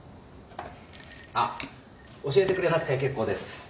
あっ教えてくれなくて結構です。